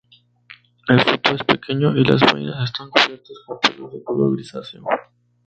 El fruto es pequeño y las vainas están cubiertas con pelos de color grisáceo.